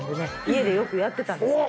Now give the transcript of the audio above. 家でよくやってたんですよ。